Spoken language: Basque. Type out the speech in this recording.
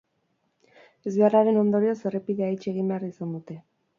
Ezbeharraren ondorioz errepidea itxi egin behar izan dute.